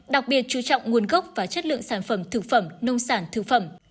đặc biệt chú trọng nguồn gốc và chất lượng sản phẩm thực phẩm nông sản thực phẩm